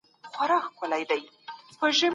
ژوندپوهنه د ډېر صبر او دقیق لید غوښتنه کوي.